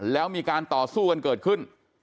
แล้วมีการต่อสู้กันเกิดขึ้น